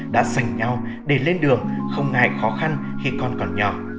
đã sành nhau để lên đường không ngại khó khăn khi con còn nhỏ